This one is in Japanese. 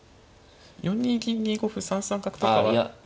４二銀２五歩３三角とかはさすがに。